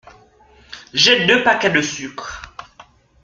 J’ai deux paquets de sucre.